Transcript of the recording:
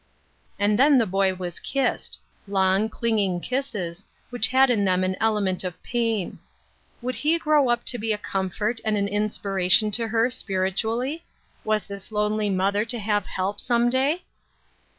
And then the boy was kissed ; long, clinging kisses, which had in them an element of pain. Would he grow up to be a comfort, and an inspi ration to her, spiritually ? Was this lonely mother to have help, some day